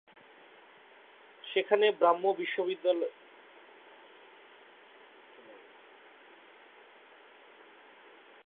সেখানে ব্রাহ্ম বিদ্যালয়ে তাঁর প্রথম অধ্যয়ন শুরু হয়।